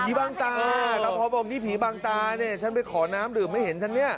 ผีบังตาพอบอกนี่ผีบังตาเนี่ยฉันไปขอน้ำดื่มไม่เห็นฉันเนี้ย